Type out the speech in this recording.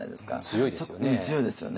強いですよね。